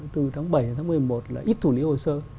từ tháng bảy đến tháng một mươi một là ít thủ lý hồ sơ